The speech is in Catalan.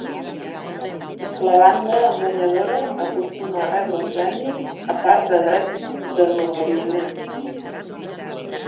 La banda guanyadora acostuma a rebre un premi a part de drets d'enorgulliment.